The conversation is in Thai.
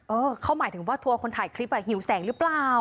เออเขาหมายถึงว่าทัวร์คนถ่ายคลิปหิวแสงหรือเปล่า